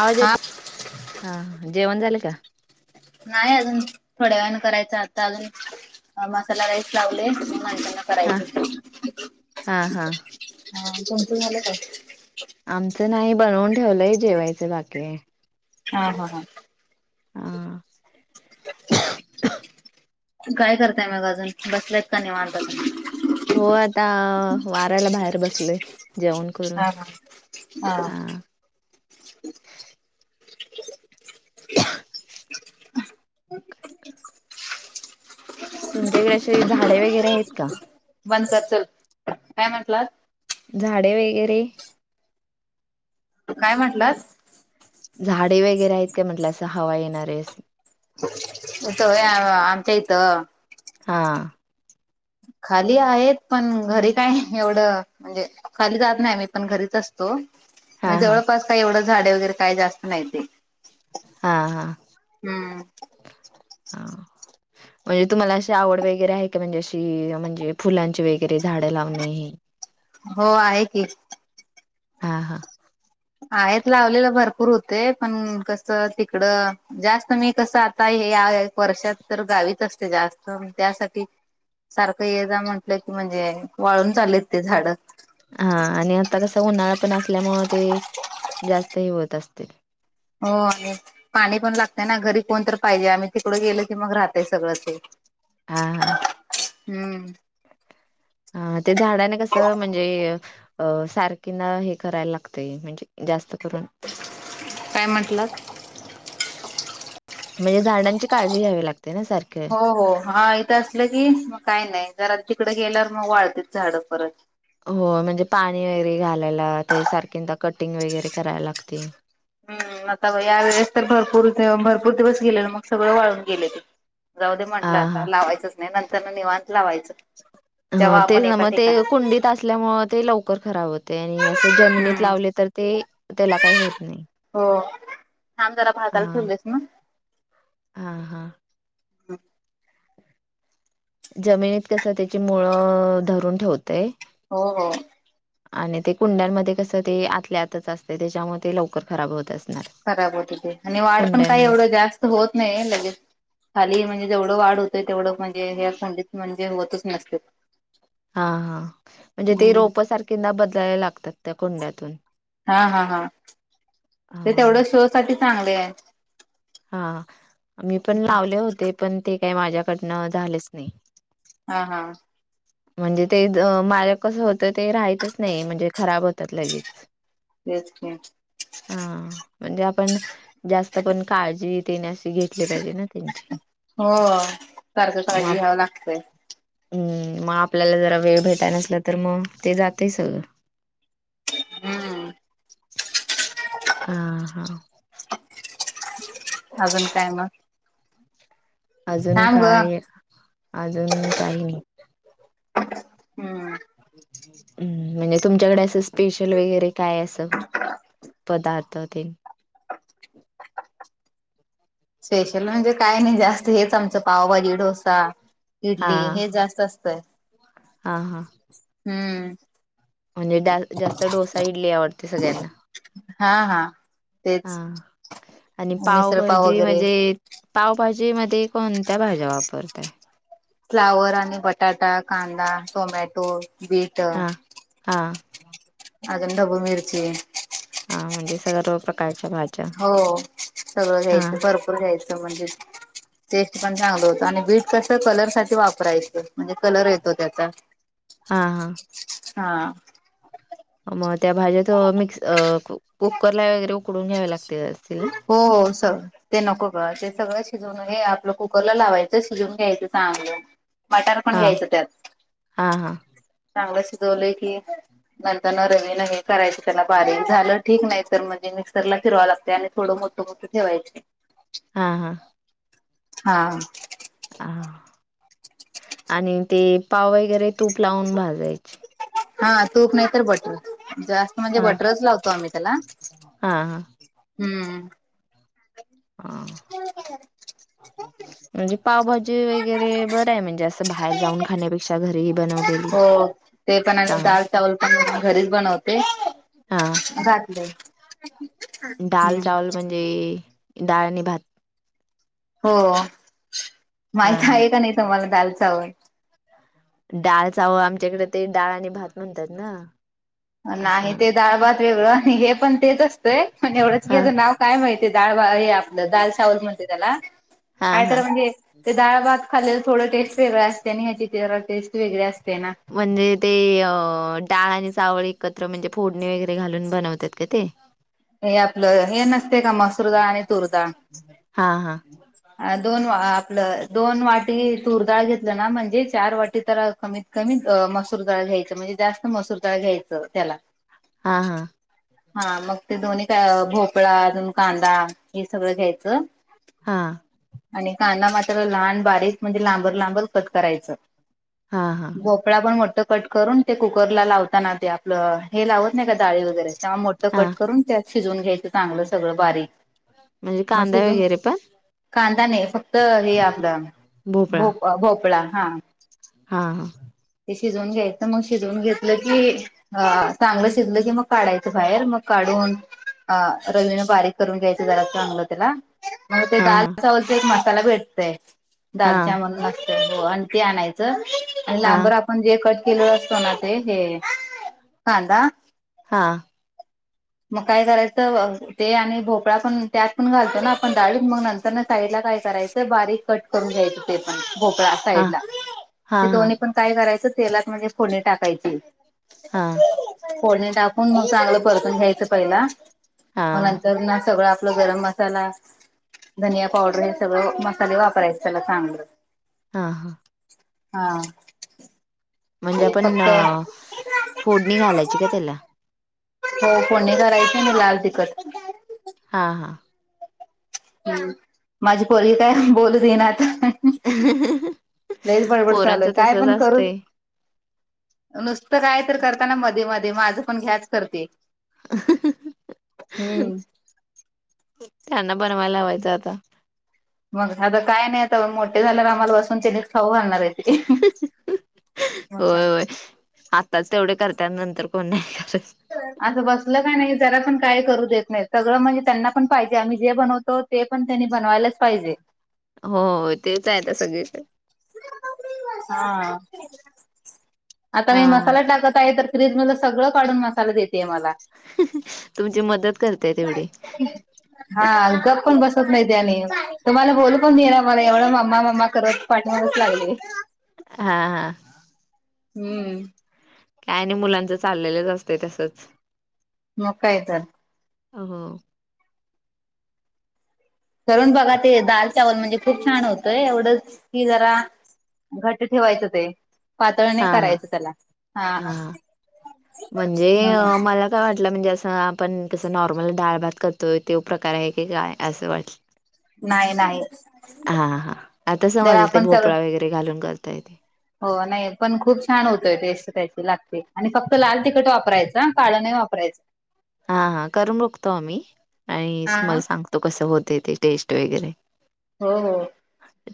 आवाज हा येत? हां. हां. जेवण झालं का? नाही अजून. थोड्या वेळाने करायचय. आत्ता अजून- मसाला राईस लावलय. [unintelligible] हा करायचय. हा हा हां. तुमचं झालं का? आमचं नाही बनवून ठेवलंय जेवायचं बाकीेय. हां. हां. हां. हां. काय करताय मग अजून? बसल्यायत का नीवांत? हो आता. वाऱ्याला बाहेर बसलोय. जेवण करून. हा हा हा. [inaudible] तुमच्याकडे असे झाड वगैरे हायत का? बंद कर चल काय म्हटलात? झाडे वेगेरे? काय म्हंटलास? झाडे वगैरे आहेत का म्हटलं. असं हवा येणारे अस. तसं व्हय. आमच्या ईथं- हां. खाली आहेत. पण घरी काय एवढं, म्हंजे खाली जात नाय मी पण घरीच असत- -तो. हा आणि हा जवळपास काय एवढं झाडे वगैरे काही जास्त नाई ते. हां. हां. हम्म. हा. म्हजे तुम्हाला अशी आवड वगैरे हाये का म्हंजे अशी म्हणजे फुलांची वगैरे झाडं लावणे? हो आहे की. हा हा. आहेत लावलेलं भरपूर होते. पण कसं तिकड- जास्त मी कसं आता हे या वर्षात तर गावीच असते जास्त त्यासाठी- सारखं ये जा म्हटलं की म्हणजे वाळून चालेलत ते झाड. हां. आणि आता कसा उन्हाळा पण असल्यामुळे ते जास्त हे होत असतील. हो. आ [unintelligible] पाणी पण लागतंय ना? घरी कोण तर पाहिजे. आम्ही तिकडं गेलो की मग राहतय सगळच ते. हा. हा. हम्म. हा. ते झाडाने कसं म्हणजे- अ सारखी ना हे करायला लागतेय. म्हणजे जास्त करून- काय म्हटलात? म्हणजे झाडांची काळजी घ्यावी लागते ना सारखी. हो, हो. हा इथं असलं की मग काही नाही, जरा तिकडं गेल्यावर मग वाळत्यात झाडं परत. हो म्हणजे पाणी वगैरे घालायला, त्या सारखेदा कटिंग वगैरे करायला लागते. हं.. आता या वेळेस तर भरपूर, भरपूर दिवस गेले ना मग सगळं वाळून गेले ते. जाऊ दे हा म्हटलं हा आता लावायचंच नाही, नंतरनं निवांत लावायचं. ह जेव्हा तेच आपण ना एका मग ते ठिकाणी कुंडीत असल्यामुळं, ते लवकर खराब होतंय आणि असं जमिनीत हम्म लावले तर ते त्याला काही होत नाही. हो, थांब जरा भाताला हा ठेवलेस ना. हा, हा.. ह.. जमिनीत कसं त्याची मुळं धरून ठेवतंय. हो, हो.. आणि ते कुंड्यांमध्ये कसं ते आतल्या आतच असतंय, त्याच्यामुळं ते लवकर खराब होत अस खराब होते ते आणि वाढ पण काही एवढं जास्त होत नाही लगेच खाली म्हणजे जेवढं वाढ होतोय तेवढं म्हणजे ह्या कुंडित म्हणजे होतच नसतेत. हा, हा. म्हणजे ते रोप सारखी ना बदलायला लागतात त्या कुंड्यातून. हा, हा, हा. ते तेवढं हा शो साठी चांगले आहे. हा मी पण लावले होते, पण ते काय माझ्याकडनं झालेच नाही. हा, हा. म्हणजे ते ज माझ्या कस होतंय, ते राहयतच नाही म्हणजे खराब होत्यात लगेच. तेच की, हा म्हणजे आपण जास्त पण काळजी तेन अशी घेतली पाहिजे ना त्यांची.... हो सारखं काळजी मग घ्यावं लागतंय. हु.. मग आपल्याला जरा वेळ भेटाय नसला तर, मग ते जातंय सगळं. हं... [unintelligible] आ, हा.. अजून काय मग? अजून थांब ग काय, अजून काही नाही. हं.. हू.. म्हणजे तुमच्याकडे असं स्पेशल वगैरे काय असं पदार्थ तेन? स्पेशल म्हणजे काय नाही जास्त हेच, आमचं पावभाजी, डोसा, हा इडली हे जास्त असत तय. हा, हा. हं... आणि डाळ म्हणजे जास्त डोसा इडली आवडते सगळ्यांना. हा हा हा, तेच हां आणि मिसळपाव पावभाजी वगैरे म्हणजे पावभाजी मध्ये कोणत्या भाज्या वापरताय? फ्लावर आणि बटाटा, कांदा, टोमॅटो, बीट. हा हा. अजून ढबू मिरची. हा म्हणजे सर्व पण कारच्या भा हो सगळं घ्यायचं भर पूर घ्यायचं म्हणजे टेस्ट पण चांगलं होतं आणि बीट कसं कलर साठी वापरायचं. म्हणजे कलर येतो त्याचा हा हा हा. मग त्या भाज्यात मिक्स कुकर ला वगैरे उकडून घ्यावे लागते असतील ना? हो हो स ते नको ग ते सगळं शिजवून हे आपलं कुकरला लावायचं शिजवून घ्यायचं चांगलं मटार पण हा घ्यायचं त्यात हा हा चांगलं शिजवलंय की नंतर रवीन हे करायची त्याला बारीक झालं ठीक नाही तर मग ते मिक्सरला फिरवाय लागतय आणि थोडं मोठं मोठ ठेवायच. हा हा हा हा, आणि ते पाव वैगेरे तूप लाऊन भाजायचे. हा तूप नाही तर बटर जास्त म्हणजे हा बटरच लावतो आम्ही त्याला हा हा हम्म. हा म्हणजे पावभाजी वगैरे बरं आहे म्हणजे अस बाहेर जाऊन खा खाण्यापेक्षा घरीही बनवलेली हो ते पण चांग [unintelligible] पण मी घरीच बनवते. हा घातलंय. दाल चावल म्हणजे डाळ आणि भात. हो, हा माहीत हा आहे का नाही तुम्हाला दाल चावल? दाळ चाव आमच्याकडे ते डाळ आणि भात म्हणतात ना. असं नाही म्हण ते डाळ भात वेगळं आणि हे पण तेच असतंय पण एवढंच की हा याचं नाव काय महित दाळ हे आपलं दाल चावल म्हणते त्याला हा आणि हा तर म्हणजे ते डाळ भात खाल्लं थोडं टेस्ट वेगळ असते आणि ह्याची जरा टेस्ट वेगळी असते ना. म्हणजे ते डाळ आणि चावळ एकत्र म्हणजे फोडणी वगैरे घालून बनवतात का ते? हे आपलं हे नसतय का मसुर डाळ आणि तूर डाळ हा हा दोन आपलं दोन वाटी तूरडाळ घेतलं ना म्हणजे चार वाटी तर कमीत कमी अ मसूरडाळ घ्यायचं म्हणजे जास्त मसूर दाळ घ्यायचं त्याला, हा हा हा मग ते दोन्ही का भोपळा अजून कांदा हे सगळं घ्यायचं. हां आणि कांदा मात्र लहान बारीक म्हणजे लांबर लांबर कट करायचं. हा हा तर पण मोठं कट करून ते कुकरला लावताना ते आपलं हे लावत नाही का दाळी वगैरे तेव्हा मोठं कट हा करून त्यात शिजवून घ्यायचं चांगलं सगळं बारीक. म्हणजे मग कांदा शिजून वगैरे पण? कांदा नाही फक्त हे आपलं भोपळा भोप भोपळा हा. हा हा ते शिजवून घ्यायचं मग शिजवून घेतलं की अ चांगलं शिजलं की मग काढायचं बाहेर मग काढून अ रवीन बारीक करून घ्यायचं जरा चांगलं त्याला, मग ते हा दाल हा चवलचा एक मसाला भेटतय हा दालच्या हा म्हणून अस तय हो आणि ते आणायचं आणि हा आपण जे कट केलेलो असतो ना ते हे कांदा हा मग काय करायचं ते आणि भोपळा पण त्यात पण घालतो ना आपण डाळी मग नंतर साईड ला काय करायचं बारीक कट करून घ्यायचं ते पण भोपळा हा साईड ला हा ते हा दोन्ही पण काय करायचं तेलात म्हणजे फोडणी टाकायची. हा. फोडणी टाकून मग चांगलं परतून घ्यायचं पहिला हा मग नंतर न सगळं आपलं गरम मसाला, धनिया पावडर हे सगळं मसाले वापरायचे त्याला चांगले हा हा. हा. म्हणजे आणि आपण फक्त अ फोडणी घालायची का त्याला? हो. फोडणी करायचं ना लाल तिकट हा हा. ह माझी पोरगी काय बोलू देईनात. हा लयच बडबड चालू हाय. पोरांचं काय तसच पण करून असतंय नुसतं काय तर करताना मध्ये मध्ये माझं पण घ्याच करते. हम्म. त्यांना बनवाय लावायचं आता. मग आता काय नाही. आता मोठे झाल्यावर आम्हाला बसून त्यांनीच खाऊ घालणा घेणार आहेत काय. होय होय आत्ताच तेवढे करत्यात नंतर कोण नाही करत. असं बसलं कणी जरा पण काय करू देत नाही. सगळं म्हणजे त्यांना पण पाहिजे आम्ही जे बनवतो ते पण त्यांनी बनवायलाच पाहिजे. हो. तेच आहे आता सगळीकड. हा. आता मी हा मसाला टाकत आहे तर फ्रीज मधलं सगळ काढून मसाला देते आहे मला. तुमची मदत करते तेवढी हा गप्प पण बसत नाहीत आणि तुम्हाला बोलू पण देइना र मला एवढ मम्मा मम्मा करत पाठीमागच लागले. हा हा. हम्म. काय नाही मुलांचं चाललेलंच असते तसच. मग काय तर. हो. करून बघा ते. दाल चावल म्हणजे खूप छान होतोय एवढंच की जरा घट्ट ठेवायचं ते पातळ नाही हा हा करायचं त्याला हा. म्हणजे हम्म मला काय वाटलं म्हणजे असं, आपण कसं नॉर्मल डाळ, भात करतोय तो प्रकार आहे की काय असं वाटल. नाही नाही हा हा. आता जर समजलं ते आपण सगळ भोपळा वगैरे घालून करताय. हो नाही. पण खूप छान होतोय टेस्ट त्याची लागते आणि फक्त लाल तिखट वापरायचं. काळ नाही वापरायचं. हा हा करून बघतो आम्ही आणि हा. तुम्हाला सांगतो कसं होते ते टेस्ट वगैरे. हो हो.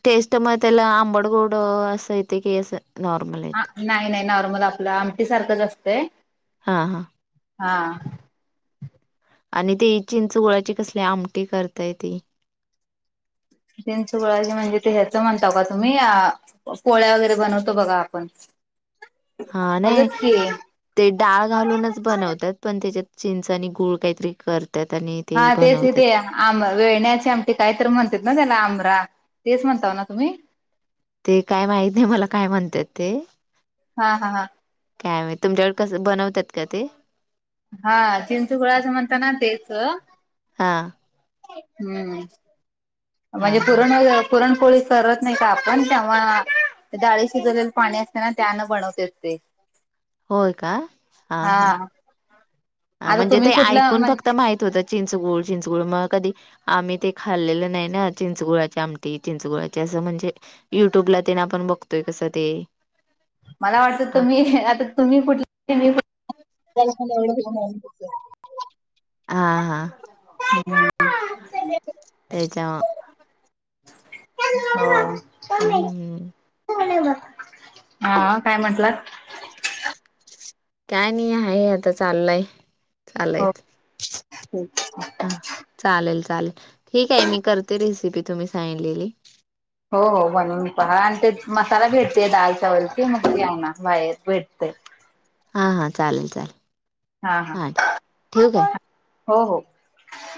टेस्ट मग त्याला आंबड गोड येत की असं नॉर्मल येत. नाही नाही. नॉर्मल आपलं आमटी सारखंच असतंय. हा हा. हा. आणि ते चिंच गुळाची कसली आमटी करताय ते, चिंच गुळाची म्हणजे ह्याच म्हणता का तुम्ही अ पोळ्या वगैरे बनवतो बघा आपण हा नाही त्याचच की ते डाळ घालूनच बनवतात पण त्याच्यात चिंच आणि गूळ काहीतरी कर त्या‌त आणी हा तेच ते हा आम वेळण्याचे आमटे काय तर म्हणतात ना त्याला आंमरा तेच म्हणताव ना तुम्ही? ते काय माहित नाही मला काय म्हणतात ते, हा हा हा काय माहित, तुमच्याकडे कसं बनवतात का ते? हा चिंचगुळाचं म्हणत ना तेच, हा हम्म म्हणजे हा हा पुरन वगैरे पुरणपोळी करत नाही का आपण तेव्हा डाळी शिजवलेलं पाणी असते ना त्यानं बनवतात ते. हो का हा हां. ह आता म्हणजे ते तुम्ही कुठला ऐकून फक्त म्हणजे माहित होतं चिंचगूळ चिंचगूळ मग कधी आम्ही ते खाल्लेलं नाही ना चिंचगुळाची आमटी चिंचगुळाची असं म्हणजे युट्यूब ला तेन आपण बघतोय कसं ते मला वाटतं हा तुम्ही आता तुम्ही कुठ [unintelligible] [unintelligible] हा हा तेच्या मम्मी हम्म कोण हाय बग, हा काय म्हटलात? काय नाही आहे आता चाललंय. हो चालयच हा. चालेल चालेल ठीक आहे मी करते रेसिपी तुम्ही सांगितलेली. हो हो बनवून पहा आणि ते मसाला भेटतय दाल चावल च मग ते आना बाहेर भेटतय. हा हा चालेल चालेल. हा हा ठेवू काय हो हो.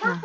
हा.